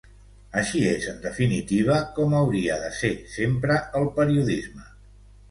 Així és, en definitiva, com hauria de ser sempre el periodisme.